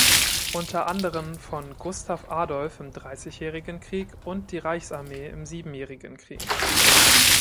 Unter anderem von Gustav Adolf im Dreißigjährigen Krieg und die Reichsarmee im Siebenjährigen Krieg.